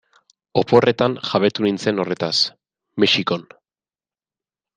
Oporretan jabetu nintzen horretaz, Mexikon.